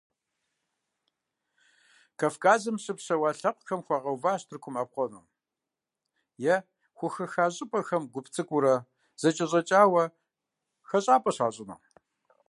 Кавказым щыпсэуа лъэпкъым хуагъэуващ Тыркум Ӏэпхъуэну, е хухаха щӀыпӀэхэм гуп цӀыкӀуурэ зэкӀэщӀэкӀауэ хэщӀапӀэ щащӀыну.